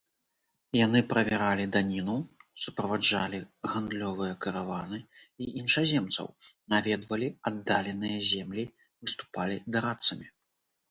Яны правяралі даніну, суправаджалі гандлёвыя караваны і іншаземцаў, наведвалі аддаленыя землі, выступалі дарадцамі.